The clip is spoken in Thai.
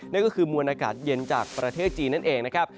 นั่นก็คือมวลอากาศเย็นจากประเทศจีนนั่นเองนะครับ